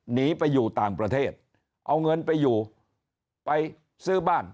หนีไปอยู่ต่างประเทศเอาเงินไปอยู่ไปซื้อบ้าน